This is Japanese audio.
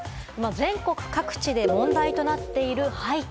全国各地で問題となっている廃墟。